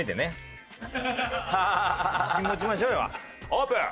オープン！